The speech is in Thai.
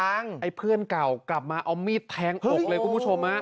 ไอ้เพื่อนเก่ากลับมาเอามีดแทงอกเลยคุณผู้ชม